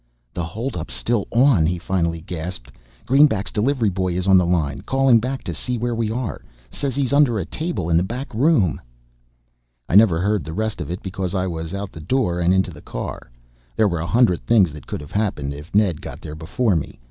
"The holdup's still on," he finally gasped. "Greenback's delivery boy is on the line calling back to see where we are. Says he's under a table in the back room ..." I never heard the rest of it because I was out the door and into the car. There were a hundred things that could happen if Ned got there before me.